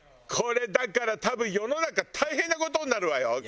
これだから多分世の中大変な事になるわよ